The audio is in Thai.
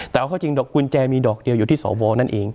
แต่เอาเข้าจริงดอกกุญแจมีดอกเดียวอยู่ที่สวนั่นเอง